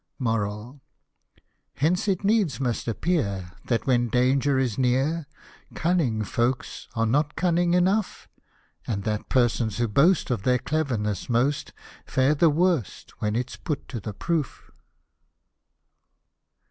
Hence it needs must appear, that when danger is near, Cunning folks are not cunning enough ; And that persons who boast of their cleverness most Fare the worst when its put to the proof.